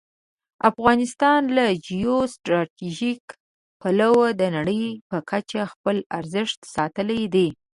افغانستان له جیو سټراټژيک پلوه د نړۍ په کچه خپل ارزښت ساتلی دی.